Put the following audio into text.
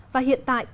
và hiện tại